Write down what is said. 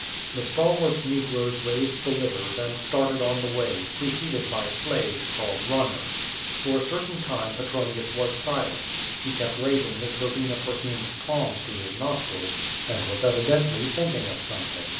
The stalwart negroes raised the litters and started on the way, preceded by slaves, called runners. For a certain time Petronius was silent; he kept raising his verbena perfumed palms to his nostrils, and was evidently thinking of some thing.